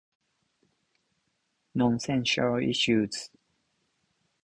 Nonsensical issues.